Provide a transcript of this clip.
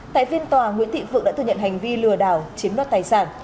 tại phiên tòa nguyễn thị phượng đã thừa nhận hành vi lừa đảo chiếm đoạt tài sản